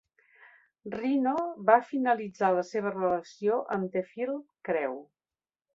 Rhino va finalitzar la seva relació amb The Film Crew.